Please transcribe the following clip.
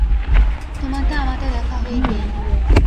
তোমাতে আমাতে দেখা হইবেই।